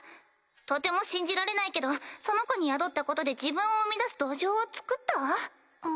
とても信じられないけどその子に宿ったことで自分を生み出す土壌をつくった？